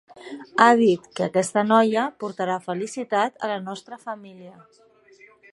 Ha dit que aquesta noia portarà felicitat a la nostra família.